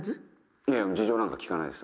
いや事情なんか聞かないです